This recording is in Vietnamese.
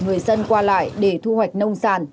người dân qua lại để thu hoạch nông sản